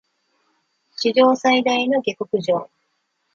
史上最大の下剋上